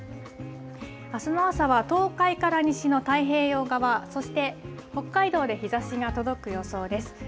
あすの朝は東海から西の太平洋側、そして北海道で日ざしが届く予想です。